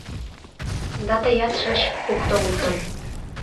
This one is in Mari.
Да тыят шыч кукто утым